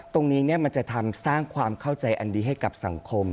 ตรงนี้มันจะทำสร้างความเข้าใจอันดีให้กับสังคม